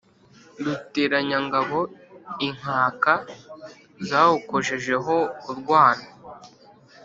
Ruteranyangabo, inkaka zawukojejeho urwano